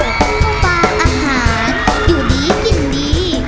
ข้อป่าอาหารอยู่นี้กินดี